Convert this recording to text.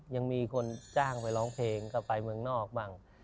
ยังมีคนจ้างไปร้องเพลงก็ไปเมืองนอกบ้าง